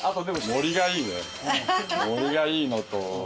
盛りがいいのと。